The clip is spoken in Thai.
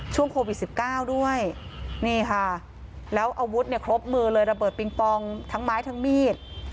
ช่วงโควิด๑๙ด้วยนี่ค่ะแล้วอาวุธเนี่ยครบมือเลยระเบิดปิงปองทั้งไม้ทั้งมีด